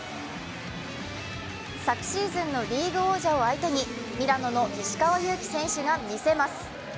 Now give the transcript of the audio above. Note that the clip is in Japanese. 昨シーズンのリーグ王者を相手にミラノの石川祐希選手が見せます。